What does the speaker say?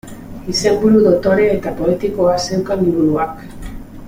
Izenburu dotore eta poetikoa zeukan liburuak.